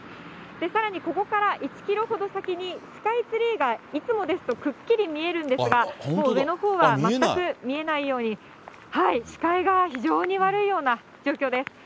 さらにここから１キロほど先に、スカイツリーが、いつもですとくっきり見えるんですが、上のほうは全く見えないような、視界が非常に悪いような状況です。